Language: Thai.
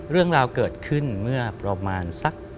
เรื่องราวเกิดขึ้นเมื่อประมาณสัก